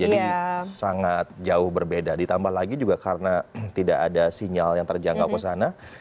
jadi sangat jauh berbeda ditambah lagi juga karena tidak ada sinyal yang terjangkau kesana